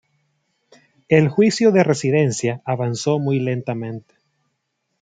El juicio de residencia avanzó muy lentamente.